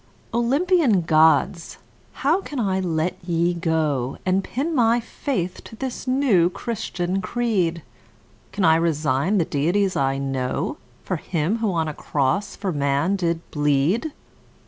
Olympian Gods! how can I let ye go And pin my faith to this new Christian creed? Can I resign the deities I know For him who on a cross for man did bleed?